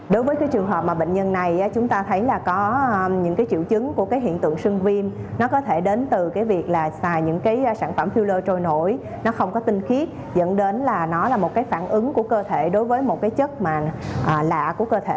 đối với trường hợp bệnh nhân này chúng ta thấy có những triệu chứng của hiện tượng sưng viêm nó có thể đến từ việc xài những sản phẩm filler trôi nổi nó không có tinh khiết dẫn đến là nó là một phản ứng của cơ thể